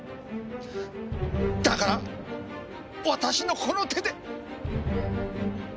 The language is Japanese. だから私のこの手で。